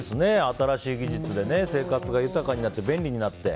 新しい技術で生活が豊かになって便利になって。